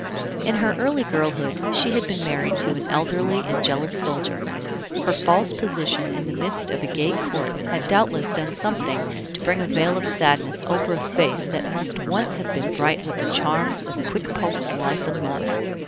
In her early girlhood she had been married to an elderly and jealous soldier. Her false position in the midst of a gay Court had doubtless done something to bring a veil of sadness over a face that must once have been bright with the charms of quick pulsed life and love.